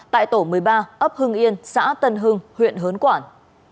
tại tổ một mươi ba ấp hưng yên xã tân hưng huyện hớn quản